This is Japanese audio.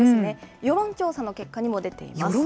世論調査の結果にも出ています。